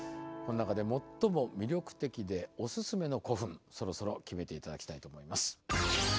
この中で最も魅力的でお薦めの古墳そろそろ決めていただきたいと思います。